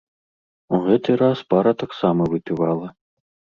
У гэты раз пара таксама выпівала.